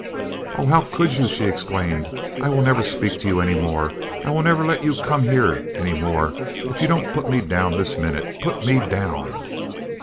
"Oh, how could you!" she exclaimed. "I will never speak to you any more. I will never let you come here any more if you don't put me down this minute. Put me down!"